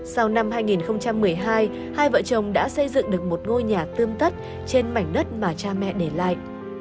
sau năm hai nghìn một mươi hai hai vợ chồng đã xây dựng được một ngôi nhà tươm tất trên mảnh đất mà cha mẹ để lại